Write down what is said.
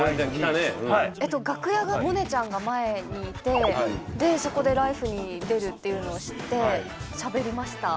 楽屋が萌音ちゃんが前にいてでそこで「ＬＩＦＥ！」に出るっていうのを知ってしゃべりました。